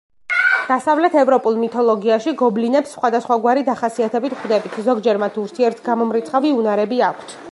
დასავლეთ ევროპულ მითოლოგიაში გობლინებს სხვადასხვაგვარი დახასიათებით ვხვდებით, ზოგჯერ მათ ურთიერთგამომრიცხავი უნარები აქვთ.